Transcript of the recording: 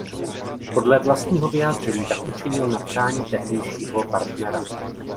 Podle vlastního vyjádření tak učinil na přání tehdejšího partnera.